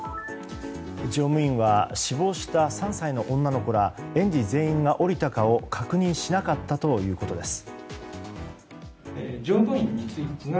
乗務員は死亡した３歳の女の子ら園児全員が降りたかを確認しなかったということです。